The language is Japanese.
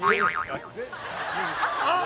「あっ！